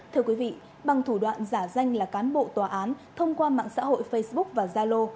thưa quý vị bằng thủ đoạn giả danh là cán bộ tòa án thông qua mạng xã hội facebook và zalo